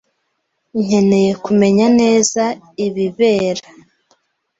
nkeneye kumenya neza ibibera.